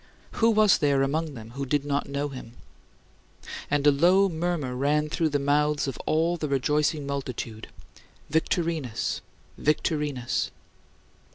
Who was there among them that did not know him? And a low murmur ran through the mouths of all the rejoicing multitude: "Victorinus! Victorinus!"